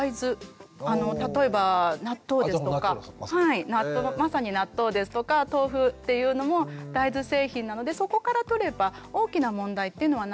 例えば納豆ですとかまさに納豆ですとか豆腐っていうのも大豆製品なのでそこからとれば大きな問題っていうのはないです。